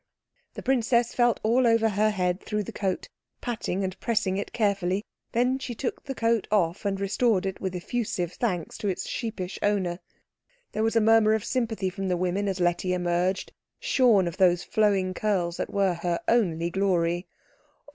The princess felt all over her head through the coat, patting and pressing it carefully; then she took the coat off, and restored it with effusive thanks to its sheepish owner. There was a murmur of sympathy from the women as Letty emerged, shorn of those flowing curls that were her only glory.